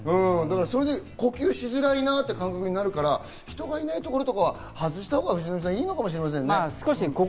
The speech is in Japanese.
呼吸しづらいなっていう感覚になるから、人がいないところとかでは外したほうがいいかもしれませんね、藤富さん。